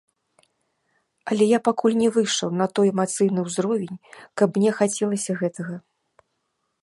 Але я пакуль не выйшаў на той эмацыйны ўзровень, каб мне хацелася гэтага.